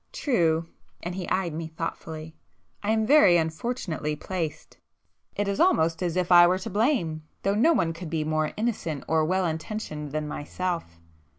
"True!" and he eyed me thoughtfully—"I am very unfortunately placed!—it is almost as if I were to blame, though no one could be more innocent or well intentioned than myself!"